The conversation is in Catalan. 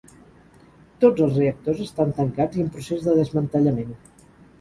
Tots els reactors estan tancats i en procés de desmantellament.